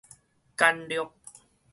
簡略